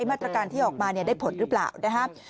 มาตรการที่ออกมาได้ผลหรือเปล่านะครับ